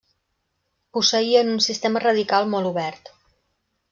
Posseïen un sistema radical molt obert.